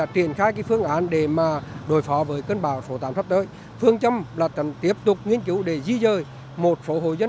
tình bàng cho người dân